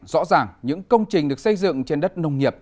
rõ ràng những công trình được xây dựng trên đất nông nghiệp